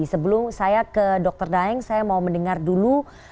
sebelum saya ke dr daeng saya mau mendengar dulu